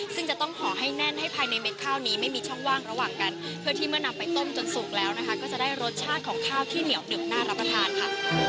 ซึ่งจะต้องห่อให้แน่นให้ภายในเม็ดข้าวนี้ไม่มีช่องว่างระหว่างกันเพื่อที่เมื่อนำไปต้มจนสุกแล้วนะคะก็จะได้รสชาติของข้าวที่เหนียวหนึบน่ารับประทานค่ะ